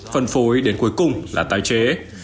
phân phối đến cuối cùng là tái chế